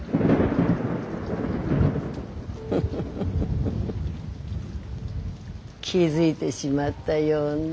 フフフフフ気付いでしまったようね。